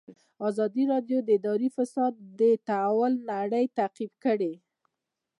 ازادي راډیو د اداري فساد د تحول لړۍ تعقیب کړې.